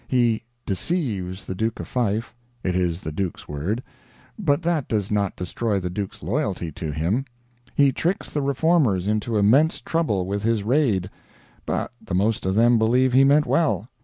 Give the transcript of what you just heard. He "deceives" the Duke of Fife it is the Duke's word but that does not destroy the Duke's loyalty to him. He tricks the Reformers into immense trouble with his Raid, but the most of them believe he meant well.